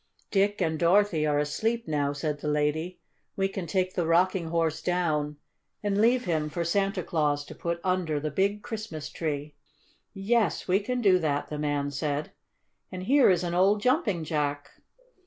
"Dick and Dorothy are asleep now," said the lady. "We can take the Rocking Horse down, and leave him for Santa Claus to put under the big Christmas tree." "Yes, we can do that," the man said. "And here is an old Jumping Jack.